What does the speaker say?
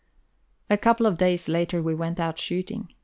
A couple of days later, we went out shooting.